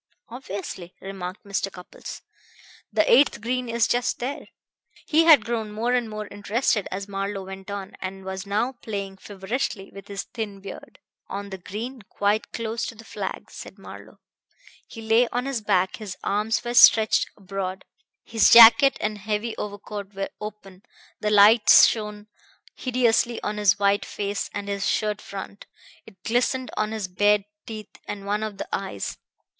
"Obviously," remarked Mr. Cupples. "The eighth green is just there." He had grown more and more interested as Marlowe went on, and was now playing feverishly with his thin beard. "On the green, quite close to the flag," said Marlowe. "He lay on his back, his arms were stretched abroad, his jacket and heavy overcoat were open; the light shone hideously on his white face and his shirt front; it glistened on his bared teeth and one of the eyes.